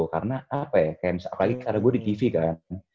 karena apa ya kayak misalnya apalagi karena gue di tv kan